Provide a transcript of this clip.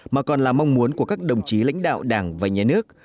mà còn là mong muốn của các đồng chí lãnh đạo đảng và nhà nước